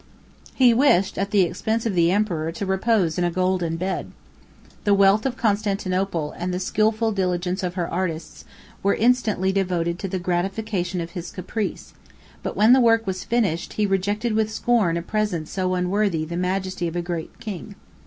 He wished, at the expense of the emperor, to repose in a golden bed. The wealth of Constantinople, and the skilful diligence of her artists, were instantly devoted to the gratification of his caprice; but when the work was finished, he rejected with scorn a present so unworthy the majesty of a great king.